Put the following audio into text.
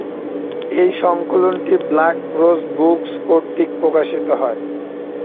এই সংকলনটি Black Rose Books কর্তৃক প্রকাশিত হয়।